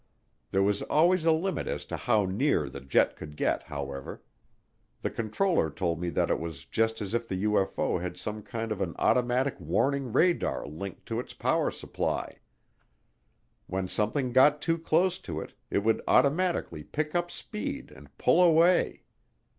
There was always a limit as to how near the jet could get, however. The controller told me that it was just as if the UFO had some kind of an automatic warning radar linked to its power supply. When something got too close to it, it would automatically pick up speed and pull away.